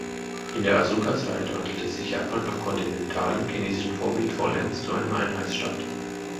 In der Asuka-Zeit wandelte sich Japan nach kontinentalem, chinesischem Vorbild vollends zu einem Einheitsstaat.